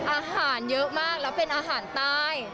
อาหารเยอะมากแล้วเป็นอาหารใต้